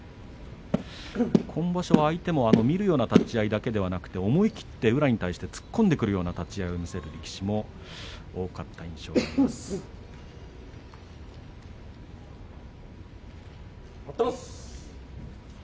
今場所は相手も見るような立ち合いだけでなくて思い切って宇良に対して突っ込んでくるような立ち合いを見せる力士も多かった印象があります。